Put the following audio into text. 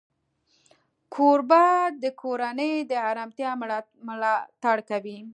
کوربه د کورنۍ د آرامتیا ملاتړ کوي.